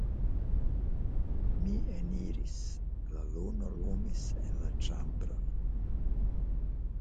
Mi eniris, la luno lumis en la ĉambron.